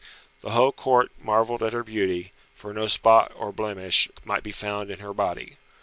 The whole Court marvelled at her beauty, for no spot or blemish might be found in her body.